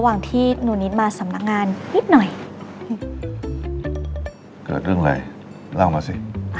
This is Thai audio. ที่หนูนิดมาสำนักงานนิดหน่อยเกิดเรื่องอะไรเล่ามาสิ